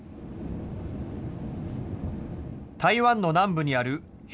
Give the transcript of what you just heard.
台湾の南部にある屏